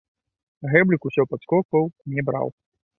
Гэблік усё падскокваў, не браў.